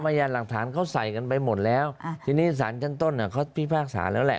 พยานหลักฐานเขาใส่กันไปหมดแล้วทีนี้สารชั้นต้นเขาพิพากษาแล้วแหละ